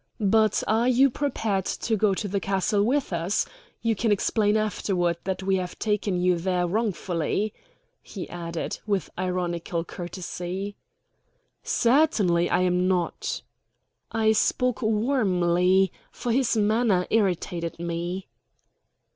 "But are you prepared to go to the castle with us? You can explain afterward that we have taken you there wrongfully," he added, with ironical courtesy. "Certainly I am not." I spoke warmly, for his manner irritated me.